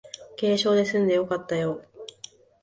軽傷ですんでよかったよ